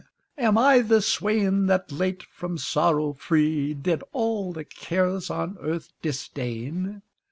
Am I the swain That late from sorrow free Did all the cares on earth disdain?